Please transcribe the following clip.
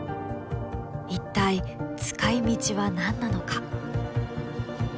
一体使いみちは何なのか？